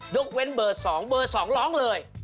ยกเว้นเบอร์๒เบอร์๒ร้องเลย